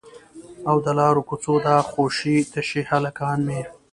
او د لارو کوڅو دا خوشي تشي هلکان مې